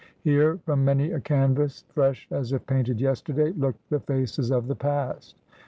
Here from many a canvas, fresh as if painted yesterday, looked the faces of the past.